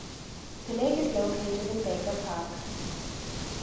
The lake is located in Baker park.